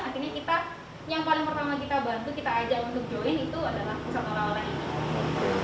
artinya kita yang paling pertama kita bantu kita ajak untuk join itu adalah pusat oleh oleh ini